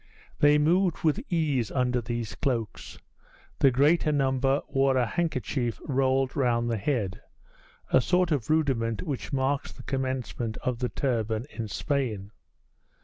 They moved with ease under these cloaks. The greater number wore a handkerchief rolled round the head a sort of rudiment which marks the commencement of the turban in Spain.